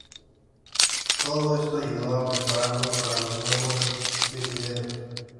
Todo esto ayudó a prepararlo para los nuevos retos venideros.